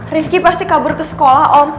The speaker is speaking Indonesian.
rifki pasti kabur ke sekolah om